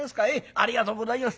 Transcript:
ありがとうございます。